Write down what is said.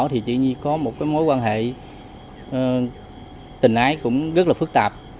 thì chị nhi có một mối quan hệ tình ái cũng rất là phức tạp